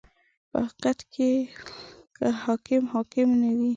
• په حقیقت کې که حاکم حاکم نه وي.